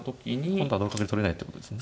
今度は同角で取れないってことですね。